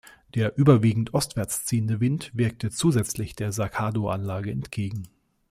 Der überwiegend ostwärts ziehende Wind wirkte zusätzlich der Saccardo-Anlage entgegen.